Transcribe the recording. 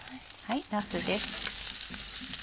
なすです。